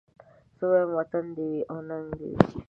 زه وايم وطن دي وي او ننګ دي وي